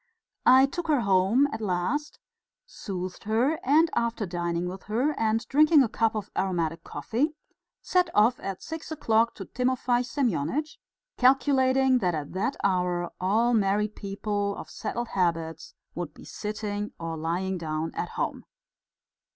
I took her home at last, soothed her, and after dining with her and drinking a cup of aromatic coffee, set off at six o'clock to Timofey Semyonitch, calculating that at that hour all married people of settled habits would be sitting or lying down at home.